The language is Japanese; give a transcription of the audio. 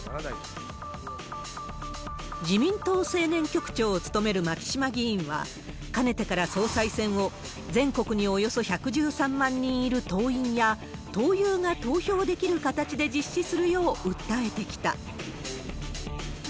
自民党青年局長を務める牧島議員は、かねてから総裁選を、全国におよそ１１３万人いる党員や党友が投票できる形で実施するよう訴えてきた。